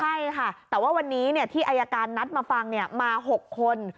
ใช่ค่ะแต่ว่าวันนี้ที่อายการนัดมาฟังมา๖คน